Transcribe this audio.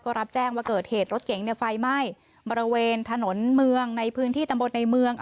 ก็รับแจ้งว่าเกิดเหตุรถเก๋งไฟไหม้บริเวณถนนเมืองในพื้นที่ตำบลในเมือง